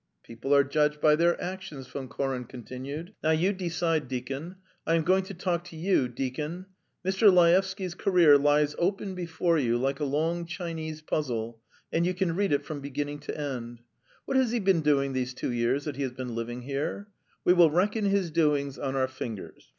"People are judged by their actions," Von Koren continued. "Now you decide, deacon. ... I am going to talk to you, deacon. Mr. Laevsky's career lies open before you, like a long Chinese puzzle, and you can read it from beginning to end. What has he been doing these two years that he has been living here? We will reckon his doings on our fingers.